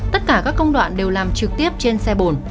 tất cả các công đoạn đều làm trực tiếp trên xe bồn